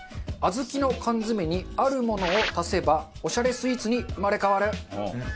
あずきの缶詰にあるものを足せばオシャレスイーツに生まれ変わる。